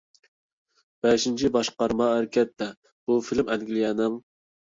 «بەشىنچى باشقارما ھەرىكەتتە»، بۇ فىلىم ئەنگلىيەنىڭ.